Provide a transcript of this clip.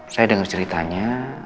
saya denger ceritanya